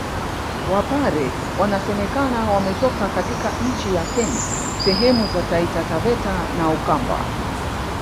Wapare wanasemekana wametoka katika nchi ya Kenya sehemu za Taita Taveta na Ukamba